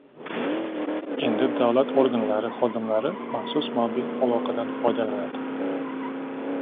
Endi davlat organlari xodimlari maxsus mobil aloqadan foydalanadi